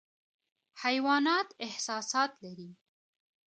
حیوانات احساسات لري